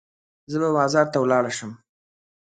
زه به بازار ته ولاړه شم.